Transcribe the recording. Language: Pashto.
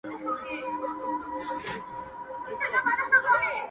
• خجل یې تر کابل حُسن کنعان او هم کشمیر دی..